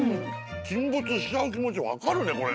沈没しちゃう気持ち分かる。